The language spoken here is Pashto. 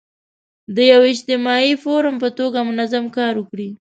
د یو اجتماعي فورم په توګه منظم کار وکړي.